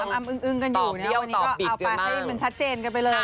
อ้ำอึ้งกันอยู่นะวันนี้ก็เอาไปให้มันชัดเจนกันไปเลย